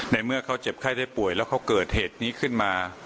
ในเมื่อเขาเจ็บไข้ได้ป่วยแล้วเขาเกิดเหตุนี้ขึ้นมา